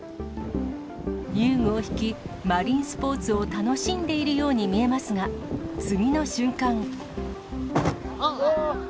遊具を引き、マリンスポーツを楽しんでいるように見えますが、あっ！